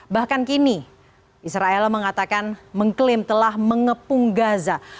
bahkan kini israel mengatakan mengklaim telah mengepung gaza